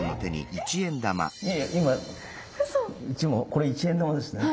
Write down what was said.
これ一円玉ですね。